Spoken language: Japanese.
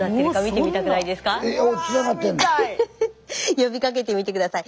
呼びかけてみて下さい。